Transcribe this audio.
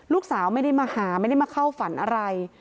ลูกสาวไม่ได้มาหาไม่ได้มาเข้าฝันอะไร